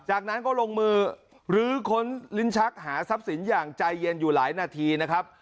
จากนั้นก็ลงมือลื้อค้นลิ้นชักหาทรัพย์สินอย่างใจเย็นอยู่หลายนาทีนะครับ